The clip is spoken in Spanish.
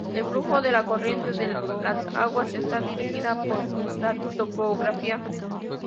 El flujo de la corriente de las Agujas está dirigida por la topografía.